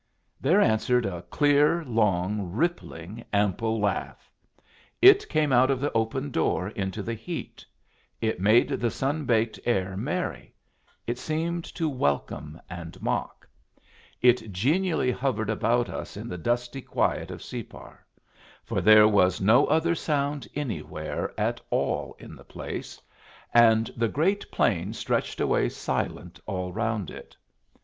There answered a clear, long, rippling, ample laugh. It came out of the open door into the heat; it made the sun baked air merry; it seemed to welcome and mock; it genially hovered about us in the dusty quiet of Separ; for there was no other sound anywhere at all in the place, and the great plain stretched away silent all round it.